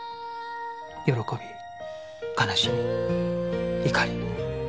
喜び悲しみ怒り